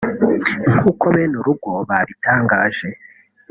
nkuko bene urugo babitangaje